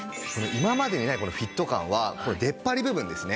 今までにないフィット感はこの出っ張り部分ですね。